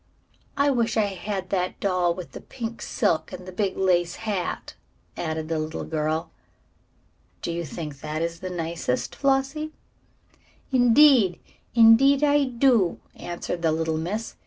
I wish I had that doll with the pink silk and the big lace hat," added the little girl. "Do you think that is the nicest, Flossie?" "Indeed, indeed I do," answered the little miss.